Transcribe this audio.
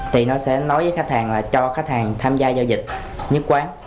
thì nó sẽ nói với khách hàng là cho khách hàng tham gia giao dịch nhất quán